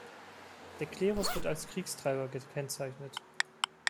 Der Klerus wird als Kriegstreiber gekennzeichnet.